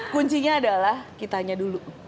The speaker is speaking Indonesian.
kuncinya adalah kitanya dulu